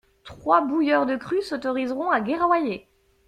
Trois bouilleurs de cru s'autoriseront à guerroyer.